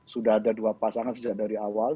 sudah ada dua pasangan sejak dari awal